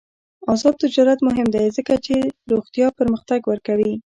آزاد تجارت مهم دی ځکه چې روغتیا پرمختګ ورکوي.